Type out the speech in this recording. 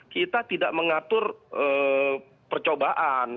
kita tidak mengatur percobaan